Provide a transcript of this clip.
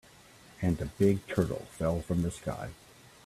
And a big turtle fell from the sky.